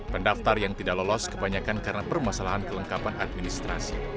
pendaftar yang tidak lolos kebanyakan karena permasalahan kelengkapan administrasi